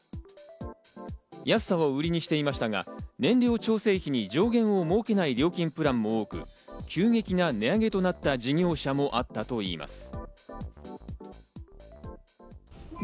安さを売りにしていましたが、燃料調整費に上限を設けない料金プランも多く、急激な値上げとなった事業者もあったといいます。